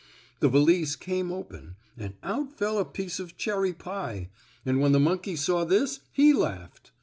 The valise came open and out fell a piece of cherry pie, and when the monkey saw this he laughed.